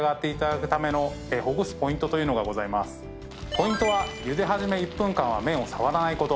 ポイントはゆで始め１分間は麺を触らないこと。